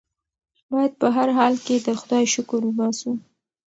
بايد په هر حال کې د خدای شکر وباسو.